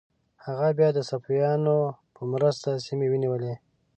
هغه بیا د صفویانو په مرسته سیمې ونیولې.